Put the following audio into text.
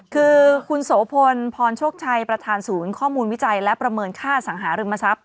คือคุณโสพลพรโชคชัยประธานศูนย์ข้อมูลวิจัยและประเมินค่าสังหาริมทรัพย